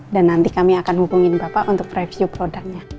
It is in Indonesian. dan nanti kami akan hubungin bapak untuk review produknya